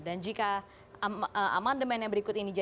dan jika amandemen yang berikut ini dikirimkan